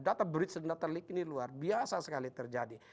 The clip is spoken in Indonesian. data breach dan data leak ini luar biasa sekali terjadi